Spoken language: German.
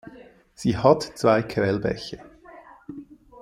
Sie hat zwei Quellbäche.